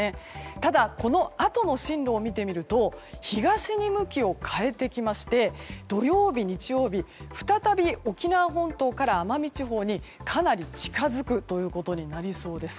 ただ、このあとの進路を見てみると東に向きを変えてきまして土曜日、日曜日再び沖縄本島から奄美地方にかなり近づくということになりそうです。